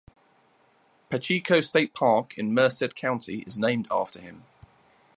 Pacheco State Park in Merced County is named after him.